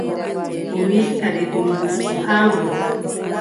O wiʼi kadi ɗum risku haa mon.